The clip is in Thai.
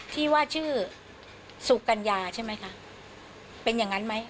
ที่ว่าชื่อสุกัญญาใช่ไหมคะเป็นอย่างนั้นไหม